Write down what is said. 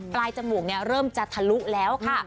จมูกเริ่มจะทะลุแล้วค่ะ